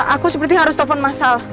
aku sepertinya harus telfon masal